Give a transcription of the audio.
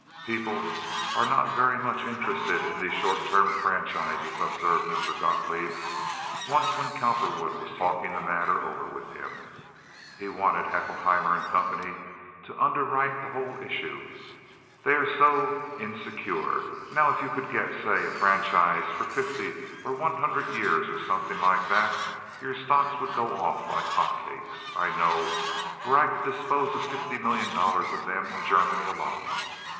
"Peeble are not ferry much indrested in tees short time frangizes," observed Mr. Gotloeb once, when Cowperwood was talking the matter over with him. He wanted Haeckelheimer & Co. to underwrite the whole issue. "Dey are so insigure. Now if you couldt get, say, a frangize for fifty or one hunnert years or something like dot your stocks wouldt go off like hot cakes. I know where I couldt dispose of fifty million dollars off dem in Cermany alone."